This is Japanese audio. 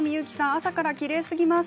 朝からきれいすぎます。